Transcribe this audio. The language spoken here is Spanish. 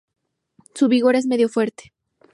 Su vigor es medio-fuerte.